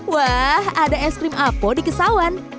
wah ada es krim apo di kesawan